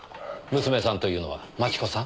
娘さんというのは真智子さん？